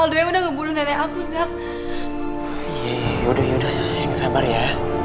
itu penghubung kemana